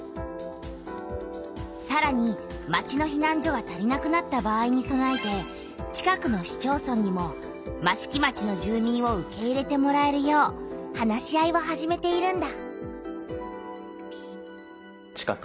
さらに町のひなん所が足りなくなった場合にそなえて近くの市町村にも益城町の住民を受け入れてもらえるよう話し合いを始めているんだ。